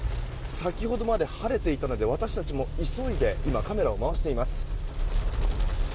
先ほどまで晴れていたので私たちも急いでカメラを回しています。